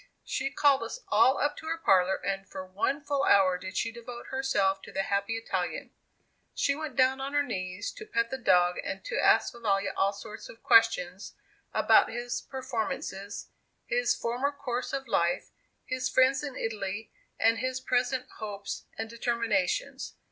She called us all up to her parlor, and for one full hour did she devote herself to the happy Italian. She went down on her knees to pet the dog and to ask Vivalla all sorts of questions about his performances, his former course of life, his friends in Italy, and his present hopes and determinations.